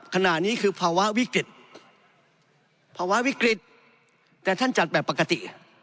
ขณะนี้คือภาวะวิกฤตภาวะวิกฤตแต่ท่านจัดแบบปกติ